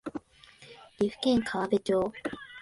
岐阜県川辺町